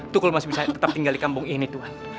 tukul masih bisa tetap tinggal di kampung ini tuhan